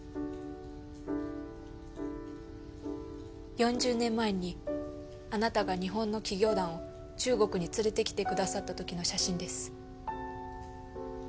４０年前にあなたが日本の企業団を中国に連れてきてくださった時の写真です